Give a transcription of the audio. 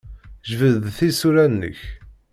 Jbed-d tisura-nnek.